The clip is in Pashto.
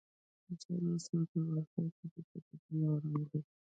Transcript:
دځنګل حاصلات د افغانستان د طبیعي پدیدو یو رنګ دی.